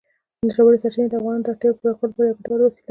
ژورې سرچینې د افغانانو د اړتیاوو د پوره کولو لپاره یوه ګټوره وسیله ده.